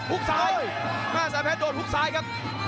หุ้กซ้ายหน้าแสงแพทย์โดดหุ้กซ้ายครับ